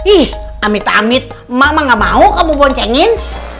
ih amit amit mak mah gak mau kamu boncengin